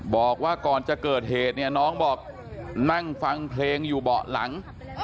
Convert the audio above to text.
บอกว่าก่อนจะเกิดเหตุเนี่ยน้องบอกนั่งฟังเพลงอยู่เบาะหลัง